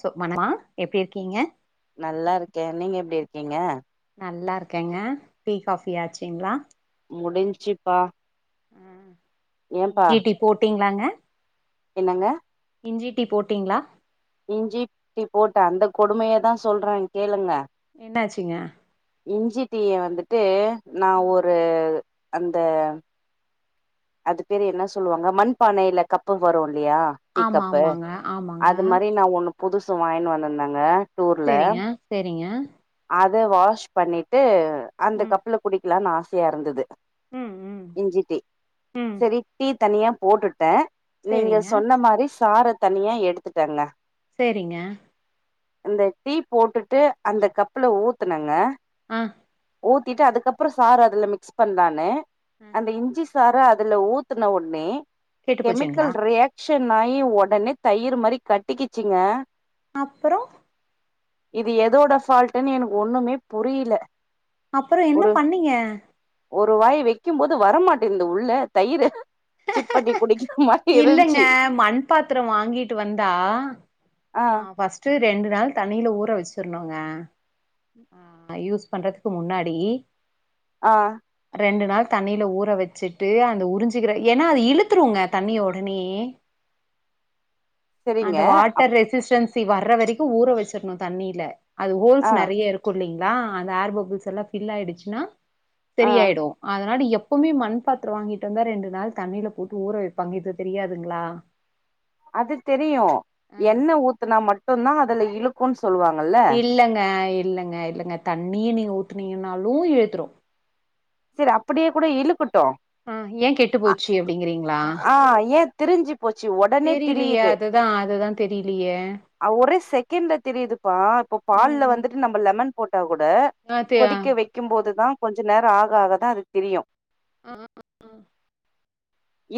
so மணமா எப்டி இருக்கீங்க நல்லா இருக்கே நீங்க எப்டி இருக்கீங்க நல்லா இருக்கேங்க டீ காஃபியாச்சுங்களா முடிஞ்சிப்பா ம் டி டி போட்டிங் இந்தாங்க என்னங்க இஞ்சி டி போட்டீங்களா இஞ்சிட்டி போட்டே அந்த கொடுமைய தா சொல்றே கேளுங்க என்னாச்சுங்க இஞ்சி டிய வந்துட்டு நா ஆ ஒரு அந்த அது பேரு என்ன சொல்லுவாங்க மண்பானைல கப்பு போடுவோல இல்லயா டீ ஆமா கப்பு ஆமாங்க ஆமாங்க அது மாரி நா ஒண்ணு புதுசு வாங்கின்னு வந்திருந்தாங்க செரிங்க செரிங்க வந்து வாஷ் பண்ணிட்டு அந்த ம் கப்புல குடிக்கலாம்னு ஆச யார்ந்தது ம் ம் இஞ்சி டி ம் செரிட்டீ தனியா போட்டுட்டே நீங்க செரிங்க சொன்ன மாரி ஸ் சார தனியா எடுத்துட்டங்க செரிங்க அந்த டீ போட்டுட்டு அந்த கப்ல ஊத்துனங்க ம் ஊத்திட்டு அதுக்கப்புறோ சாறு அதுல மிக்ஸ் பண்லானு ஆ அந்த இஞ்சிஸ் சார அதுல ஊத்தின உடனே கெட்டு போச்சுங்களா கெமிக்கல் ரியாக் ஷ நாயி உடனே தயிர் மாரி கட்டிக்குச்சுங்க அப்புறோ இது எதோட ஃபால்டன்னு எனக்கு ஒண்ணுமே புரில அப்பறோ என்ன பண்ணீங்க ஒரு வாய் வெக்கும் போது வரமாட்டே இந்த உள்ள தயிரு சிப்பன்னி குடிக்கனு மா இல்லங்க மண் பாத்தரோ வாங்கிட்டு வந்தா ஆ ஃபஸ்ட்டு ரெண்டு நாள் தண்ணியில ஊற வச்சுக்கிரனுங்க யூஸ் பண்றதுக்கு முன்னாடி ஆ ரெண்டு நாள் தண்ணியில ஊற வச்சுட்டு அந்த உறிஞ்சிக்கிற ஏன்னா அது இழுத்துருங்க தண்ணி உடனே செரிங்க அந்த அப் வாட்டர் ரெசிஸ்டன்ஸ் தி வர்ற வரைக்கு ஊற வச்சிறனு தண்ணியில அது ஹோல்ஸ் ஆ நெறய இருக்கு இல்லைங்க அதா அந்த ஏர் பப்புல்ஸ்லா எல்லா ஃபில் ஆயிடுச்சுன்னா ஆ செரியாயிடு அதனால எப்ப எப்பவுமே மண் பாத்திர வாங்கிட்டு வந்தா ரெண்டு நாள் தண்ணில போட்டு ஊற வை பங்கித்து தெரியாதுங்ளா அது தெரியு ஆ என்ன ஊத்துனா மட்டுந்தா இழுக்கு இல்லங்க இல்லங்க இல்லங்க தண்ணீயு நீங்க ஊத்தினீங்கனாலு இழுத்துறு சரி அப்படியே கூட இழுக்கட்டு ஆ ஏ கெட்டு போச்சு அப்டிங்றீங்ளா ஆ ஏ திரிஞ்சு போச்சு ஒடனே தெரியலையே திரியுது அதுதா அதுதா தெரியலையே கின்ட தெரியுது ப்பா இப்ப ம் பால்ல ம் வந்து நம்ம லெமன் போட்டா கூட ஆ தெ கொதிக்க ஆ வக்கும் போது தா கொஞ்ச நேரோ ஆகு க்காகதா அது தெரியு ஆ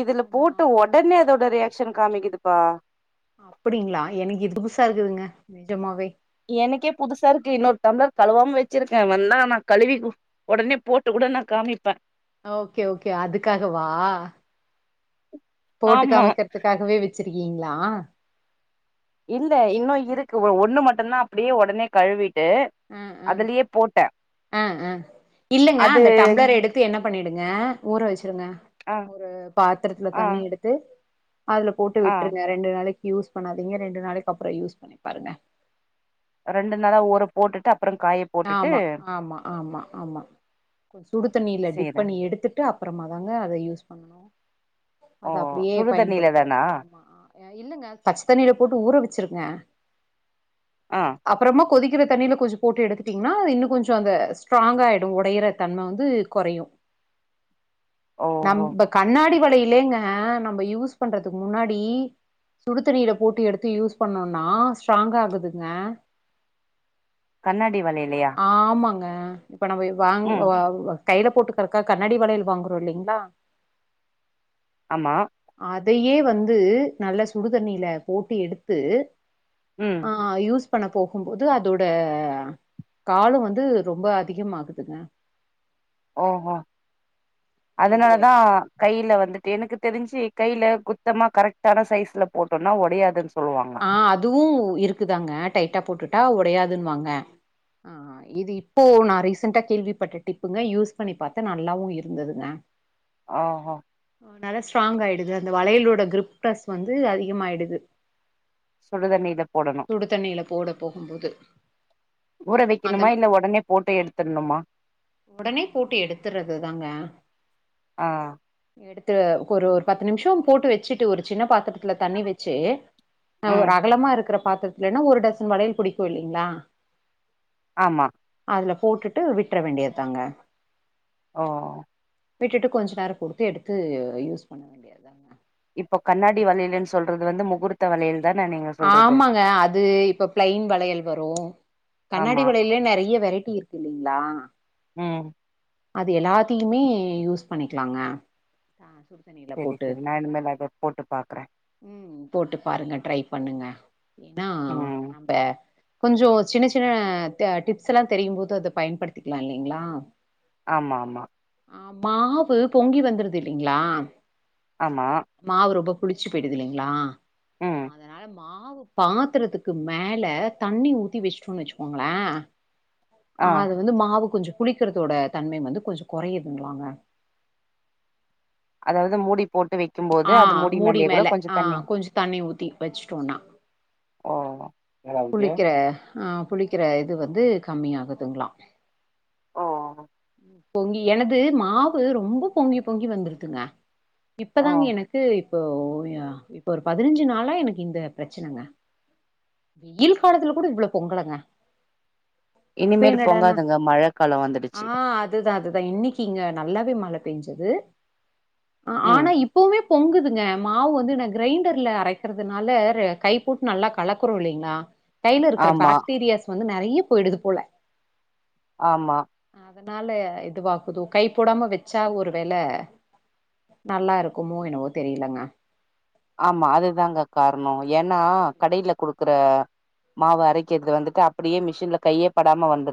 இதுல போட்ட ஒடனே அதோட ரியாக்க்ஷன் காமிக்குதுப்பா அப்டிங்ளா எனக்கு இது புதுசா இருக்குதுங்க நிஜமாவே எனக்கே புதுசா இருக்கு இன்னோரு டம்ளர் கழுவாம வச்சுருக்கே வந்தா நாம கழுவி ஒடனே போட்டு கூட நா காமிப்பே ஓகே ஓகே அதுக்காக வா போட்டு ஆமா காமிக்குறதுக்காகவே வச்சிருக்கே நீங்களா இல்ல இன்னு இருக்கு ஒ ஒண்ணு மட்டு ல்லனா அப்டியே உடனே கழுவிட் ம் ம் ம் ம் இல்லங்க அது அந்த டம்ளர் எடுத்து என்ன பண்ணிடுங்க ஊற வச்சி வங்க ஆ ஒரு பாத்திரத்துல ஆ தண்ணி எடுத்து அதுல போட்டு ஆ விட்டுருங்க ரெண்டு நாளைக்கு யூஸ் பண்ணாதீங்க ரெண்டு நாளைக்கு அப்புறோ யூஸ் பண்ணி பாருங்க ரெண்டு நாளா ஊர போட்டுட்டா ஆமா ஆமா ஆமா ஆமா சுடு தண்ணீல செய்றே டிப் பண்ணி எடுத்து ட்டு அப்புறமா தாங்க அத யூஸ் பண்ணணு ஓ அது அப்டியே சுடு தண்ணில பயன்படுத்துற தானா ஆமா அ இல்லங்க பச்ச தண்ணில போட்டு ஊற வச்சிருங்க ஆ அப்புறமா கொதிக்கிற தண்ணில கொஞ்ச போட்டு எடுத்து ங்கன்னா அது இன்னு கொஞ்சோ அந்த ஸ்ட்ராங்கா ஆயிடு ஒடையிற தன்ம வந்து கொறையு ஓஹோ நம்ப கண்ணாடி [unintelligible] இல்லைலங்க நம்ம யூஸ் பண்றதுக்கு முன்னாடி சுடுத்துண்ணீர போட்டு எடுத்து யூஸ் பண்ணோனா ஸ்ட்ராங்கா ஆகுதுங்க கன்னட டி வலலையா ஆ பணம் போய் வாங் வாவ் வ கையில போட்டுக்கறத்துகா கண்ணாடி வளையல் வாங்குறோ இல்லைங்களா ஆமா இதையே வந்து நல்ல சுடுதண்ணியில போட்டு எடுத்து ம் ஆ யூஸ் பண்ண போகும்போது அதோட காலம் வந்து ரொம்ப அதிகமாகுதுங்க ஓஹோ இதுவாய் அதனாலதா கையில வந்துட்டு எனக்கு தெரிஞ்சி கையில குத்தமா கரெக்டான சைஸ்ல போட்டோம்னா ஒடையாது ஆ அதுவு இருக்குதாங்க டைட்டா போட்டு உடையாதுன்னுவாங்க ஆ இது இப்போ நா ரீசன்டா கேள்விப்பட்ட டிப்பு யூஸ் பண்ணிப்பாத்தே நல்லாவு இருந்ததுங்க ஆ ஹா அ நல்லா ஸ்ட்ராங் ஆயிடுது அந்த வளையலோட கிரிப்டஸ் வந்து அதிகமாயிடுது சுடுதண்ணில போடணு சுடு தண்ணியில போட போகும்போது ஊற அந்த வைக்கணுமா இல்ல ஒடனே போட்டு எடுத்துடணுமா உடனே போட்டு எடுத்துறது தாங்க ஆ எடுத் ஒரு ஒரு பத்து நிமிஷோ போட்டு வச்சுட்டு ஒரு சின்ன பாத்திரத்துல தண்ணி வச்சு ந ஒரு ம் அகலமா இருக்கிற பாத்திரத்துலன்னா ஒரு டசன் வளையல் புடிக்கு இல்லைங்களா ஆமா அதுல போட்டுட்டு விட்டுற வேண்டியதுதாங்க ஓ விட்டுட்டு கொஞ்ச நேரோ கொடுத்து எடுத்து யூஸ் பண்ண வேண்டியது தனே இப்போ கண்ணாடி வலையல்ன்னு சொல்றது வந்து முகூர்த்த வலயல் ஆமாங்க அது இப்ப பிளைன் வளையல் வரு கண்ணாடி ஆமா வளையிலயே நிறைய வெரைட்டி கிட்டி இருக்கு இல்லலைங்களா ம் அது எல்லாத்தையுமே யூஸ் பண்ணிக்கலாங்க தண்ணில செரி போட்டு செரி நா இனிமேல் அத போட்டு பாக்குறே ம் போட்டு பாருங்க ட்ரை இங்க இதா ம் நம்ப கொஞ்சோ சின்ன சின்ன டிப்ஸ் எல்லா தெரியு போது அத பயன்படுத்திக்கலா இல்லைங்களா ஆமா ஆமா ஆ மாவு பொங்கி வந்துருது இல்லைங்களா ஆமா மாவு ரொம்ப புளிச்சு போய்டுது இல்லைங்களா ம் அதனால மாவு பாத்துறதுக்கு மேல தண்ணி ஊத்தி வச்சுடோன்னு வச்சுக்கோங்களே ஆ அது வந்து மாவு கொஞ்சோ குளிக்கறதோட தன்மை வந்து கொஞ்சோ குறையுதுலாங்க அதாவது மூடி போட்டு வைக்கும்போது ஆ அது மூடி மேலயே கூட மேல கொஞ்ச ஆ தண்ணி கொஞ் தண்ணி ஊத்தி வச்சுட்டோனா ஓ என்னடாவுது புளிக்கிற ஆ புளிக்கிற இது வந்து கம்மிய ஆகுதுங்களா ஓ பொங்கி எனது மாவு ரொம்ப பொங்கி பொங்கி வந்துருதுங்க இப் ஓ இப்பதாங்க எனக்கு இப்போ இப்ப ஒரு பதினஞ்சு நாளா எனக்கு இந்த பிரச்சனங்க வெயில் காலத்துல கூட இவ்ளோ பொங்கலங்க இப்ப இனிமேல் என்னடானா பொங்காதுங்க மழ காலோ வந்துடுச்சு இன்னிக்கு இங்க நல்லாவே மழ பெஞ்சது ஆ ம் ஆனா இப்பவுமே பொங்குதுங்க மாவு வந்து என்ன கிரைண்டர்ல அரைக்கறிதுனால கை போட்டு நல்லா கலக்குறோ இல்லிங்களா கையில இருக்கிற ஆமா பாக்டீரியாஸ் வந்து நெறைய போயிடுது போல ஆமா அதனால இதுவாகுதோ கை போடாம வச்சா ஒரு வேலை நல்லா இருக் குமோ என்னவோ தெரிலங்க ஆமா அதுதாங்க காரணம் ஏன்னா கடையில குடுக்குற மாவு அரைக்கிறது வந்துட்டு அப்டியே மிஷின்ல கையேப்படாம வந்து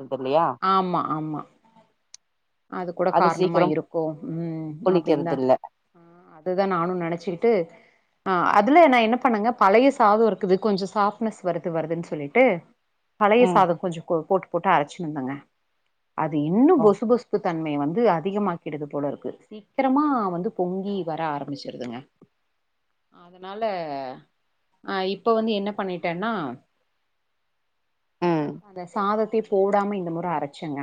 ஆமா ஆமா அது கூட காரணமா இருக்கும் ம் அப்பு தா புளிக்கிறது இல்ல அதுதா நானும் நினைச்சிட்டு ஆ அதுல நான் என்ன பண்ணுங்க பழைய சாதம் இருக்குது கொஞ்சம் சாஃட்னஸ் வருது வருதுன்னு சொல்லிட்டு பழைய ம் சாதம் கொஞ்சோ போ போட்டு போட்டு அரைச்சுன் தானே அது இன்னும் ஓ புசுபுசு தன்மைைய வந்து அதிகமாக்கிடுது போல இருக்கு சீக்கிரமா வந்து பொங்கி வர ஆரம்பிச்சிருதுங்க அதனால அ இப்ப வந்து என்ன பண்ணிட்டேன்னா ம் அந்த சாதத் போடாம இந்த முறை அரைச்சங்க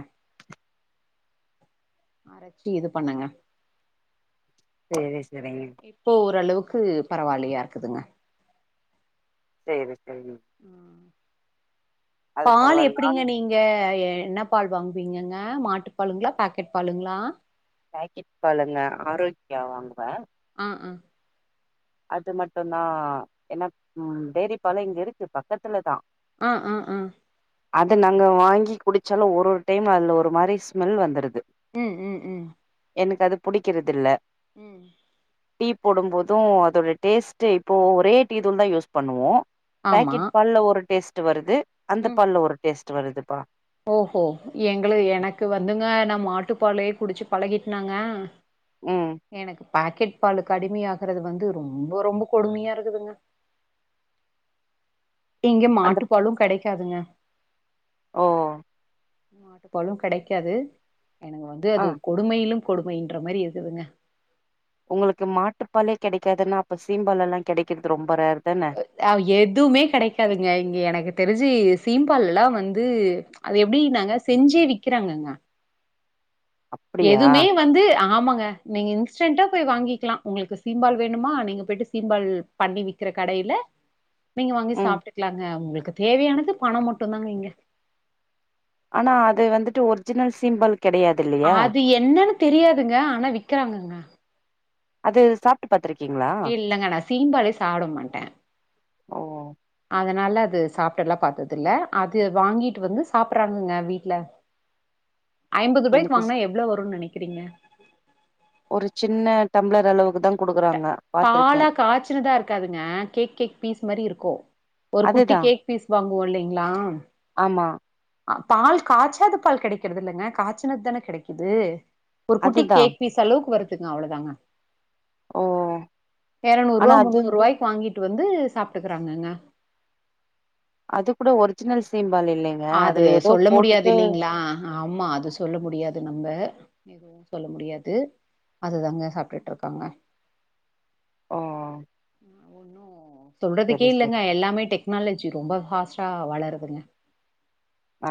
அரைச்சி இது பண்ணுங்க சேரி சேரி இப்போ ஓரளவுக்கு க்கு பரவல்லியா இருக்குதுங்க சேரி [unintelligible] அது பால் பரவால்ல எப்டிங்க நானு நீங்க அ என்ன பால் வாங்குவீங்கங்க மாட்டுப்பாலுங்களா பாக்கெட் பாலுங்களா பாக்கெட் பாலுங்க ஆரோக்கியா வாங்குவேன் ஆ அ அது மட்டும்தா என்ன ம் டேரி பாலு இங்க இருக்கு பக்கத்துல தா ஆ ஆ ஆ அது நாங்க வாங்கி குடிச்சாலும் ஒரு ஒரு டைம் அதுல ஒரு மாரி ஸ்மெல் வந்துருது ம் ம் ம் எனக்கு அது பிடிக்கிறதில்ல ம் டீ போடும் போதும் இதோட டேஸ்ட் இப்போ ஒரே டீதூள் தா யூஸ் பண்ணுவோம் ஆமா பாக்கெட் பால் ஒரு டேஸ்ட் வருது அந்த ம் பால்ல ஒரு டேஸ்ட்டு வருதுப்பா ஓஹோ எங்களு எனக்கு வந்துங்க நம் மாட்டுப்பாலையே குடிச்சு பழகட்டுனாங்க ம் எனக்கு பாக்கெட் பாலுக்கு அடிமையாகுறது வந்து ரொம்ப ரொம்ப கொடுமையா இருக்குதுங்க இங்க அந்த மாட்டுப்பாலும் கடைக் காதுங்க ஓ மாட்டுப்பாலும் கடைக்காது எனக்கு வந்து ஆ அது கொடுமையிலும் கொடுமையின்ற மாரி இருக்குதுங்க உங்களுக்கு மாட்டுப்பாலே கிடைக்காதுன்னா அப்ப சீம்பாலு எல்லா கிடைக்கிறது ரொம்ப ரேர் தான எதுவுமே கிடைக்காதுங்க இங்க எனக்கு தெரிஞ்சு சீம்பால் எல்லா வந்து அது எப்டின்னாங்க செஞ்சே விக்கிறாங்கங்க அப்டியா எதுமே வந்து ஆமாங் க நீங்க இன்ஸாட்டு போய் வாங்கிக்கலாம் உங்குளுக்கு சீம்பால் வேணுமா நீங்க போயிட்டு சீம்பால் பண்ணி விக்கிற கடையில நீங்க வாங்கி ம் சாப்பிட்டுக்கலாங்க உங்குள் தேவையானது பணம் மட்டும் தாங்க இங்க ஆனா அது வந்துட்டு ஒரிஜினல் சீம்பால் கெடையாது இல்லையா அது என்னது தெரியாதுங்க ஆனா விக்கிறாங்கங்க அது சாப்பிட்டு இல்லங்க நா சீம்பாலே சாப்டமாட்டேன் ஓ அதனால அது சாப்பிட்டு எல்லா பாத்ததுல்ல அது வாங்கிட்டு வந்து சாப்படுறாங்கங்க வீட்ல ஐம்பது ரூபாய்க்கு எனக்கு ஸ் வாங்குனா எவ்ளோ வரும் நெனைக்கி கிறீங்க ஒரு சின்ன டம்ப்ளர் அளவுக்கு தா குடுப் பாலா காய்ச்சினதா இருக்காதுங்க கேக் கேக் பீஸ் மாரி இருக்கு ஒரு குட்டி அதுதா கேக் பீஸ் வாங்குவோ இல்லைங்களா ஆமா அ பால் காய்சாத பால் கெடைக்கிறது இல்லைங்க காய்சனது தான கெடைக்குது ஒரு குட்டி அதுதா கேக் பீஸ் அளவுக்கு வருது த்துங்க அவ்ளதாங்க ஓ ஆனா இரநூறுவா அது முன்னூறுவாய்க்கு வாங்கி ட்டு வந்து சாப்ட்டுக்கிறாங்கங்க அது கூட ஒரிஜினல் சிம் அது சொல்ல முடியாது இல்லிங்கிளா ஆமா அது சொல்ல முடியாது நம்ப எதுவு சொல்ல முடியாது அதுதாங்க சாப்ட்டுட்டு இருக்காங்க ஓ ஒன்னு சொல்றதுக்கே சரி இல்லங்க சரி எல்லாமே டெக்னால ச்சி ரொம்ப ஹாஸ்டா வளருதுங்க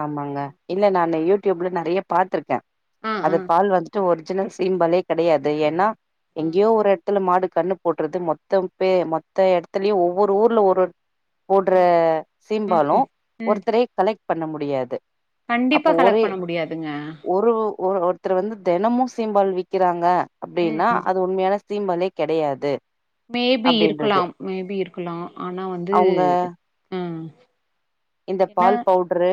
ஆமாங்க இல்ல நானு யூ டியூப்ல நெறைய பாத்திருக்கே ஆ ஆ அது பால் வந்துட்டு ஒரு ச்சினா சிம்பலே கெடையாது ஏன்னா ஆ எங்கேயோ ஒரு எடத்துல மாடு கன்னு போட்டுறது மொத்தம் பே மொத்த எடத்துலயு ஒவ்வொரு ஊர்ல ஒரு போடற ஆ ம் சீம்பாலு ம் ம் ஒருத்தரே கலெக் பண்ண முடியாது கண்டிப்பா கலெக் பண்ண முடியாதுங்க ஒரு ஒரு ஒருத்தர் வந்து தெனமு சீம்பால் விக்கறாங்க ம் அப்டின்னா ம் அது உண்மையான சீம்பாலே கெடையாது மேபி அப்டின்றது இருக்கலாம் மேபி இருக்கலா ஆனா வந்து அவங்க ம் என்ன பவுடுரு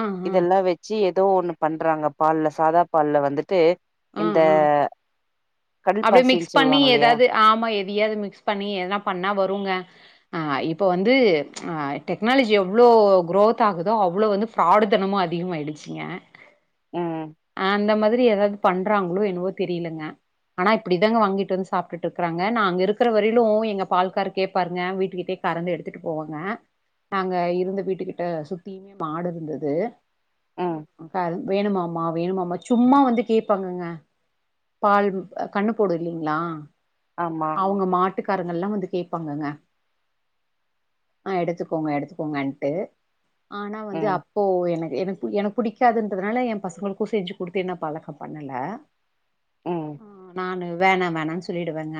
ஆ ஆ இதெல்லா வச்சி தோ ஒன்னு பண்றாங்க பால்ல சாதா பால்ல வந்துட்டு ஆ இந்த ஆ அப்டியே மிக்ஸ் கடல்பாசின்னு பண்ணி சொல்லுவாங்க இல்லையா எதாவது ஆமா எ தியாது மிக்ஸ் பண்ணி எதனா பண்ணா வருங்க அ இப்ப வந்து அ டெக்னாலஜி எவ்ளோ குரோத் ஆகுதோ அவ்ளோ வந்து ஃபிராடு தனமு அதிகமா ஆயிடிச்சிங்க ம் இந்த மாதிரி ஏதாவது பண்றாங்களோ என்னவோ தெரியலங்க ஆனா இப்டிதாங்க வாங்கிட்டு வந்து சாப்ட்டுட்டு இருக்கறாங்க நாங்க இருக்கிற வரையிலு எங்க பால்காரு கேப்பாருங்க வீட்டுக்கிட்டே கறந்து எடுத்துட்டு போவாங்க நாங்க இருந்த வீட்டு கிட்ட சுத்தியுமே மாடு இருந்தது ம் க்காரு வேணுமா மா வேணுமாமா சும்மா வந்து கேப்பாங்கங்க பால் ஆ கண்ணு போடு இல்லைங்களா ஆமா அவுங்க மாட் வட்டுக்காராங்களா வந்து கேப்பாங்கங்க ஆ எடுத்துக்கோங்க எடுத்துக்கோங்கன்ட்டு ஆனா வந்து ம் அப்போ எனக்கு எனக்கு எனக்கு பிடிக்காதுன்றதுனால எ பசங்களுக்கு செஞ்சு குடுத்து என்ன பழகோ பண்ணல ம் உ நானு வேணா வேணானு சொல்லிடுவேங்க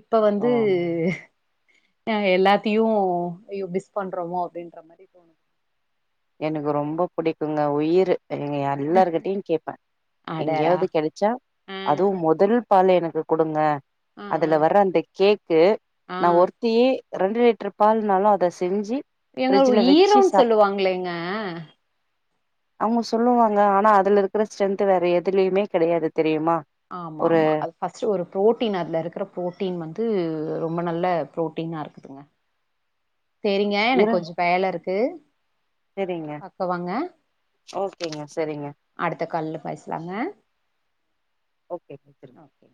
இப்ப ஓ வந்து ஆ எல்லாத்தையு மிஸ் பண்றோமோ அப்படின்றமாரி [unintelligible] எனக்கு ரொம்ப புடிக்குங்க உயிரு எங்க எல்லாருர்கிட்டயு கேப்பே அடடா எங்கயாவது கிடைச்சா ஆ அதுவு மொதல் பால் எனக்கு குடுங்க ஆ ஆ அதுல வர்ற அந்த கேக்கு ஆ நா ஒருத்தி ரெண்டு லிட்டர் பால்னாலு அத செஞ்சி எங்க ஈரோன்னு சொல்லுவாங்களேங்க ஆ அவங்க சொல்லுவாங்க ஆனா அதுல இருக்கிற ஸ்ட்ரென்த் வேற எதுலயுமே கடையாது தெரியுமா ஆமா ஒரு ஆமா அது ஃபஸ்ட் ஒரு பு்ரோட்டீன் அதுல இருக்கிற ப்ரோட்டீன் வந்து ரொம்ப நல்ல பு்ரோட்டீனா இருக்குதுங்க சரிங்க எனக்கு இரு கொஞ்சோ வேல இருக்கு கு சரிங்க பக்கவாங்க ஓகேங்க சரிங்க அடுத்த கால்ல பேசலாங்க ஓகேங்க நன்றி